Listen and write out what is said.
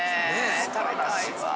へ食べたいわ。